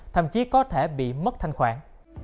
thậm chí có thể bị mất thanh khoản